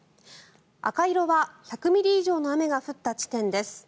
赤色は１００ミリ以上の雨が降った地点です。